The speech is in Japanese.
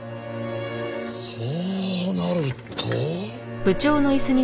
そうなると。